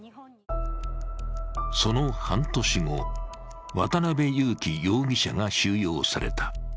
その半年後、渡辺優樹容疑者が収容された。